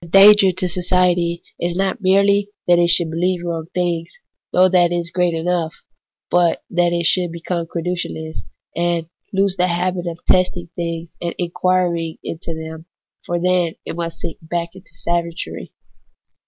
The danger to society is not merely that it should beheve wrong things, though that is great enough ; but that it should be come credulous, and lose the habit of testing things and 186 THE ETHICS OF BELIEF. inquiring into them ; for then it must sink back into savagery.